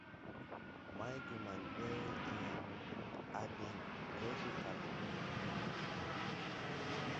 Maygeman ɓe yaŋ à ɗeŋ Tɛɛsu kal ur ɗee le ɓiŋ ɓe.